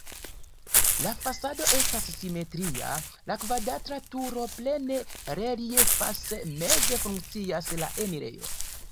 La fasado estas simetria, la kvadrata turo plene reliefas, meze funkcias la enirejo.